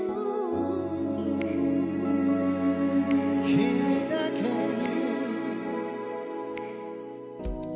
「君だけに」